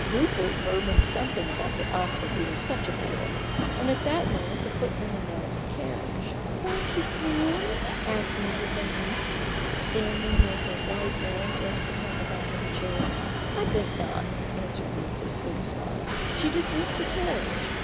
Rupert murmured something about the opera being such a bore, and at that moment the footman announced the carriage. " Won't you come ?" asked Mrs. Annice, standing with her white hand resting on the back of a chair. il I think not/' answered Rupert, with a smile. She dismissed the carriage.